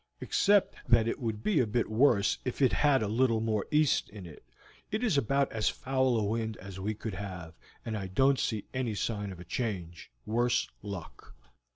Except that it would be a bit worse if it had a little more east in it, it is about as foul a wind as we could have, and I don't see any sign of a change, worse luck."